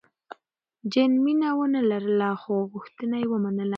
جین مینه ونه لرله، خو غوښتنه یې ومنله.